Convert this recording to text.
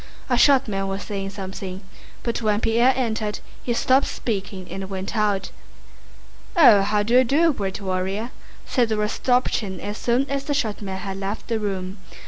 A short man was saying something, but when Pierre entered he stopped speaking and went out. "Ah, how do you do, great warrior?" said Rostopchín as soon as the short man had left the room.